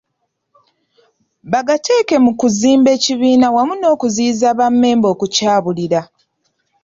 Bagateeke mu kuzimba ekibiina wamu n'okuziyiza bammemba okukyabuulira.